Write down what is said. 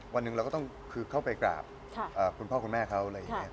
วันหนึ่งเราก็ต้องเข้าไปกราบคุณพ่อคุณแม่เขา